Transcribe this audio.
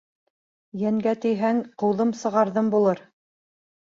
Йәнгә тейһәң, ҡыуҙым сығарҙым булыр.